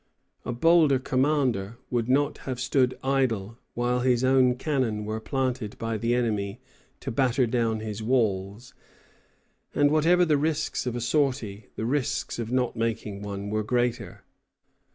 A bolder commander would not have stood idle while his own cannon were planted by the enemy to batter down his walls; and whatever the risks of a sortie, the risks of not making one were greater.